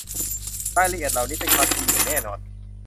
รายละเอียดเหล่านี้เป็นความจริงอย่างแน่นอน